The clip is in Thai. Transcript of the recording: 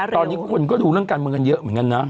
ตอนนี้คนก็ดูเรื่องการเมืองกันเยอะเหมือนกันนะ